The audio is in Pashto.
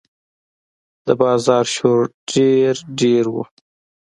د بازار شور ډېر ډېر و.